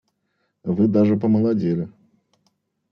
Вы даже помолодели.